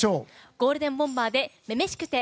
ゴールデンボンバーで「女々しくて」